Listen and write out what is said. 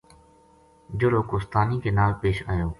جہڑو کوہستانی کے نال پیش آیو